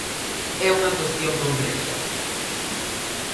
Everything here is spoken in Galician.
É unha cuestión complexa.